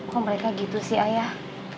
kok mereka gitu sih ayah